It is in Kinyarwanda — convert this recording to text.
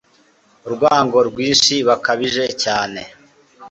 urwango rwinshi bakabije cyane